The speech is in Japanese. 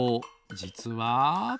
じつは。